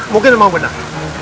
mungkin emang benar